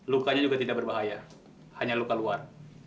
lukanya juga tidak berbahaya hanya luka luar